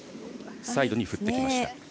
サイドに振ってきました。